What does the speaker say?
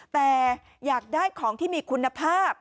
แต่อยากได้ของที่มีคุณภาพ